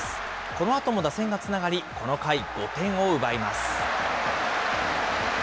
このあとも打線がつながり、この回５点を奪います。